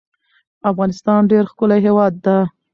افغانستان ډیر ښکلی هیواد ده